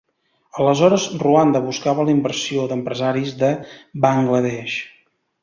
Aleshores Ruanda buscava la inversió d'empresaris de Bangla Desh.